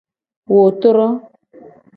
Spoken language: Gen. Wo tro.